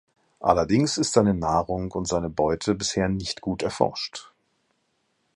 Allerdings ist seine Nahrung und seine Beute bisher nicht gut erforscht.